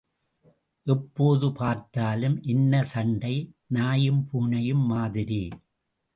எப்போது பார்த்தாலும் என்ன சண்டை, நாயும் பூனையும் மாதிரி?